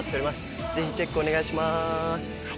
ぜひチェックをお願いします。